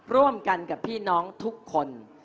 ร่วมกันกับพี่น้องทุกคน